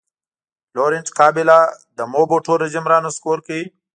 لورینټ کابیلا د موبوټو رژیم را نسکور کړ.